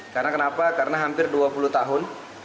karena kenapa karena hampir dua puluh tahun